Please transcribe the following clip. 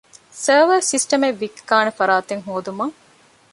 ސާވާރ ސިސްޓަމެއް ވިއްކާނެ ފަރާތެއްހޯދުމަށް